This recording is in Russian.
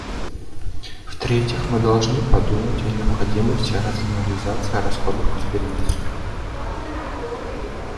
В-третьих, мы должны подумать о необходимости рационализации расходов Конференции.